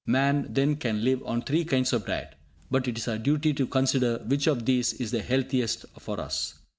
Man, then, can live on three kinds of diet; but it is our duty to consider which of these is the healthiest for us.